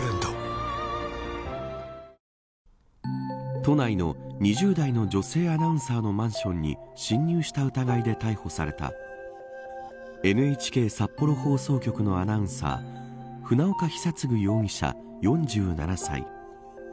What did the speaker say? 都内の２０代の女性アナウンサーのマンションに侵入した疑いで逮捕されたＮＨＫ札幌放送局のアナウンサー船岡久嗣容疑者、４７歳。